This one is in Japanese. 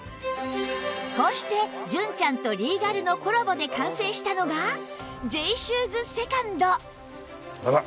こうして純ちゃんとリーガルのコラボで完成したのが Ｊ シューズ ２ｎｄあら！